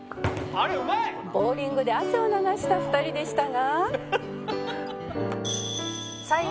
「ボウリングで汗を流した２人でしたが」